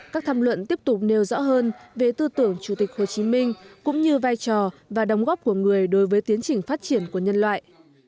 các tham luận tiếp tục nêu rõ hơn về tư tưởng chủ tịch hồ chí minh cũng như vai trò và đóng góp của người đối với tiến trình phát triển của nhân loại